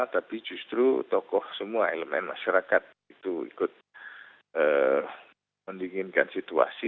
tapi justru tokoh semua elemen masyarakat itu ikut mendinginkan situasi